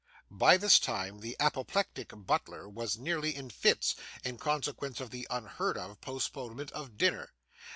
By this time, the apoplectic butler was nearly in fits, in consequence of the unheard of postponement of dinner.